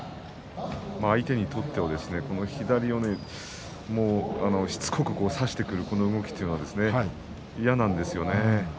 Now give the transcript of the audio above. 相手にとっては左をしつこく差してくるこの動きというのは嫌なんですよね。